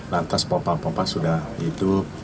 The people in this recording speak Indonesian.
lantas pompa pompa sudah itu